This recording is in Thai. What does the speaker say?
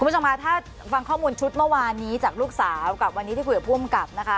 คุณผู้ชมค่ะถ้าฟังข้อมูลชุดเมื่อวานนี้จากลูกสาวกับวันนี้ที่คุยกับผู้อำกับนะคะ